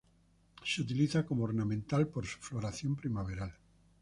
Se utiliza como ornamental por su floración primaveral.